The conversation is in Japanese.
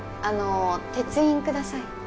あの鉄印ください。